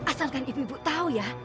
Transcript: asalkan ibu ibu tahu ya